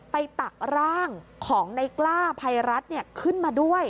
ไปตักร่างของไนกล้าไพรัสเนี่ยขึ้นมาด้วย